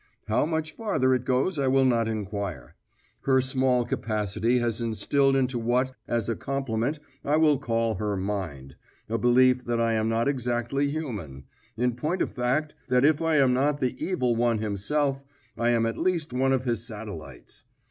How much farther it goes I will not inquire. Her small capacity has instilled into what, as a compliment, I will call her mind, a belief that I am not exactly human in point of fact, that if I am not the Evil One himself, I am at least one of his satellites.